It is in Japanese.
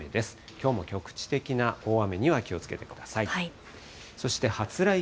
きょうも局地的な大雨には気をつけてください。